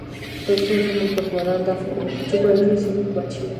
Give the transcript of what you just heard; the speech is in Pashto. ترڅو زموږ دښمنان دا فکر وکړي چې ګواکي موږ مات شوي یو